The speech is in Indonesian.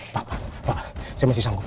pak pak saya masih sanggup